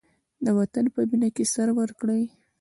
د وطن په مینه کې سر ورکړئ.